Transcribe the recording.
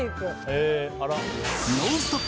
「ノンストップ！」